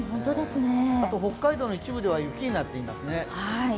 あと北海道の一部では雪になっていますね。